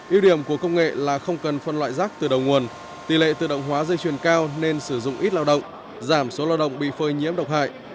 yêu điểm của công nghệ là không cần phân loại rác từ đầu nguồn tỷ lệ tự động hóa dây chuyền cao nên sử dụng ít lao động giảm số lao động bị phơi nhiễm độc hại